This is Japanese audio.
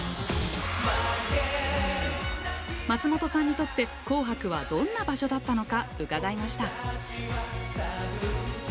松本さんにとって「紅白」はどんな場所だったのか伺いました。